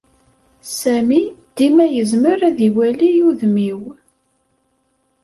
Sami dima yezmer ad iwali udem-iw.